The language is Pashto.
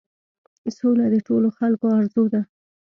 سوله د ټولو خلکو آرزو ده.